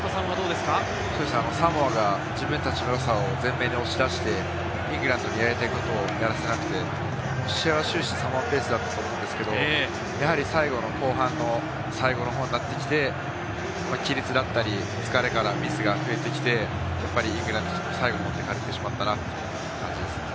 サモアが自分たちの良さを全面に押し出して、イングランドにやりたいことをやらせなくて試合は終始サモアペースだったと思うんですけれども、やはり最後の後半の、最後の方になってきて、規律だったり、疲れからミスが増えてきて、イングランドに最後持っていかれてしまったかなという感じですね。